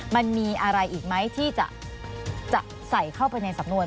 มันมีอะไรอีกไหมที่จะใส่เข้าไปในสำนวน